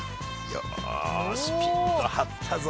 よしピンと張ったぞ。